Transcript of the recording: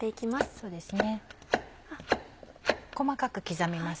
そうですね。